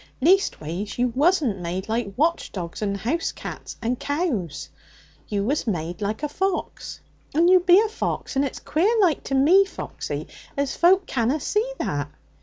'Leastways, you wasn't made like watch dogs and house cats and cows. You was made a fox, and you be a fox, and its queer like to me, Foxy, as folk canna see that.